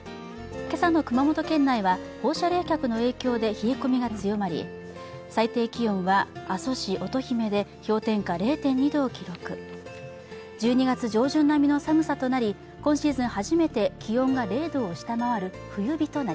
けさの熊本県内は放射冷却の影響で冷え込みが強まり最低気温は阿蘇市乙姫で氷点下０．２度を記録１２月上旬並みの寒さとなり今シーズン